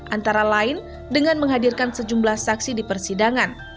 antara lain dengan menghadirkan sejumlah saksi di persidangan